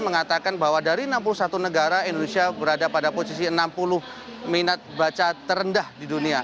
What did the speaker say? mengatakan bahwa dari enam puluh satu negara indonesia berada pada posisi enam puluh minat baca terendah di dunia